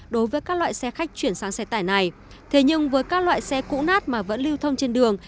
đối với các loại xe khách chuyển sang xe tải này thế nhưng với các loại xe cũ nát mà vẫn lưu thông trên đường